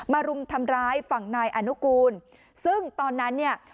รุมทำร้ายฝั่งนายอนุกูลซึ่งตอนนั้นเนี่ย